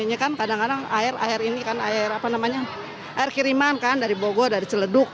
ini kan kadang kadang air ini kan air apa namanya air kiriman kan dari bogor dari celeduk